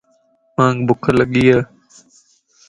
مانک ڀک لڳي ائي